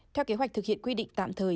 theo kế hoạch thực hiện quy định tạm thời